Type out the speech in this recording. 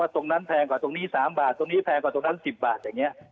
แพงกว่าตรงนี้๓บาทตรงนี้แพงกว่าตรงนั้น๑๐บาทอย่างนี้